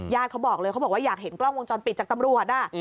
เขาบอกเลยเขาบอกว่าอยากเห็นกล้องวงจรปิดจากตำรวจ